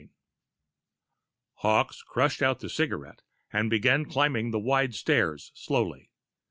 III Hawkes crushed out the cigarette and began climbing the wide stairs slowly.